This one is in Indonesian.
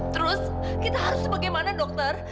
terus kita harus bagaimana dokter